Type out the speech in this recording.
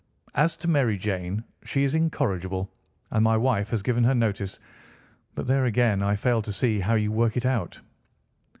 As to Mary Jane, she is incorrigible, and my wife has given her notice, but there, again, I fail to see how you work it out."